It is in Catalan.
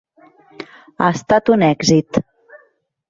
Ha estat un èxit.